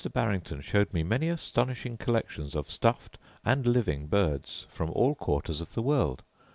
Barrington showed me many astonishing collections of stuffed and living birds from all quarters of the world.